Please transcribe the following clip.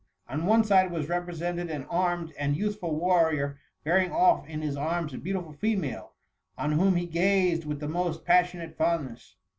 On one side was represented an armed and youthful warrior bearing off in his arms a beautiful female, on whom he gazed with the most passionate fondness.